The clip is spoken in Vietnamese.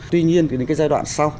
tuy nhiên thì những cái giai đoạn sau